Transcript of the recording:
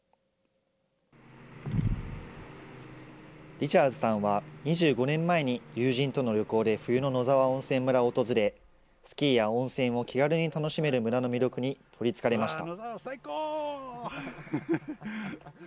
リチャーズさんは２５年前に友人との旅行で冬の野沢温泉村を訪れ、スキーや温泉を気軽に楽しめる村の魅力に取りつかれました。